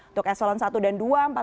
untuk eselon satu dan dua